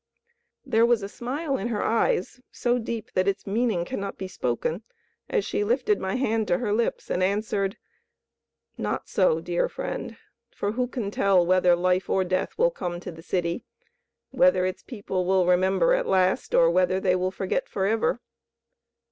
There was a smile in her eyes so deep that its meaning cannot be spoken, as she lifted my hand to her lips, and answered, "Not so, dear friend, for who can tell whether life or death will come to the city, whether its people will remember at last, or whether they will forget forever.